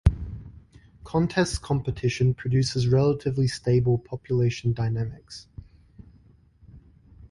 Contest competition produces relatively stable population dynamics.